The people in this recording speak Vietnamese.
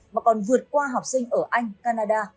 mà còn vượt qua học sinh ở anh canada